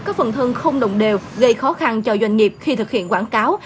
có phần thân không đồng đều gây khó khăn cho doanh nghiệp khi thực hiện quảng cáo